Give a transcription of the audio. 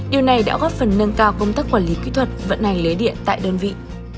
điều này đã góp phần nâng cao công tác quản lý kỹ thuật vận hành lưới điện tại đơn vị